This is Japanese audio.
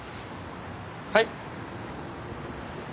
はい？